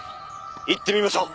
行ってみましょう！